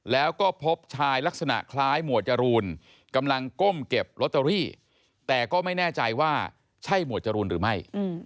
แล้วก็พบชายลักษณะคล้ายหมวดจรูนกำลังก้มเก็บลอตเตอรี่แต่ก็ไม่แน่ใจว่าใช่หมวดจรูนหรือไม่